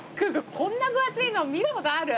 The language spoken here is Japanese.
こんな分厚いの見たことある？